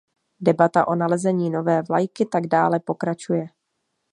Debata o nalezení nové vlajky tak dále pokračuje.